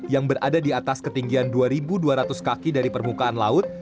yang berada di atas ketinggian dua dua ratus kaki dari permukaan laut